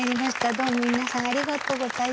どうも皆さんありがとうございます。